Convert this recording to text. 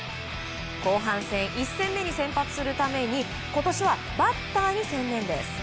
後半戦１戦目に先発するために今年はバッターに専念です。